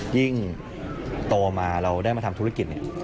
ยิ่งโตมาเราได้มาทำธุรกิจเนี่ย